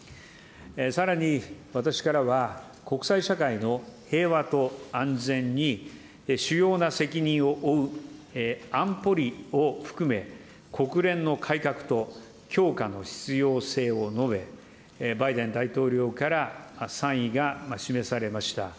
さらに、私からは国際社会の平和と安全に主要な責任を負う安保理を含め、国連の改革と強化の必要性を述べ、バイデン大統領から賛意が示されました。